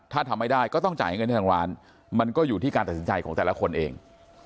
ถ้าทำไม่ได้ก็ต้องจ่ายเงินให้ทางร้านมันก็อยู่ที่การตัดสินใจของแต่ละคนเอง